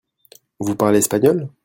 Vous parlez espagnol ?